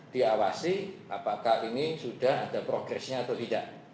diawasi apakah ini sudah ada progress nya atau tidak